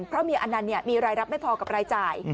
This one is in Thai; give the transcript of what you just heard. เพราะเมียอนันต์มีรายรับไม่พอกับรายจ่าย